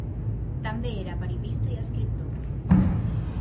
També era periodista i escriptor.